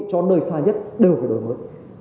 cho nơi xa nhất đều phải đổi mới